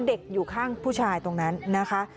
อยู่ข้างผู้ชายตรงนั้นนะคะ